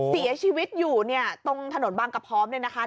เสียชีวิตอยู่ตรงถนนบางกะพร้อมนี่นะคะ